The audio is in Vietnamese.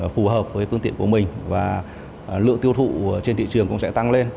phù hợp với phương tiện của mình và lượng tiêu thụ trên thị trường cũng sẽ tăng lên